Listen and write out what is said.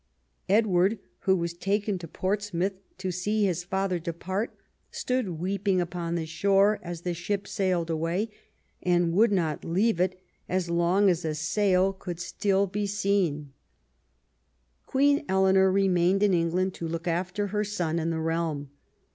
Edward, who was taken to Portsmouth to see his father depart, stood weeping upon the shore as the ship sailed away, and would not leave it as long as a sail could still I EARLY YEARS 11 be seen. Queen Eleanor remained in England to look after her son and the realm.